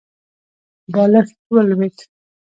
بالښت ولوېد.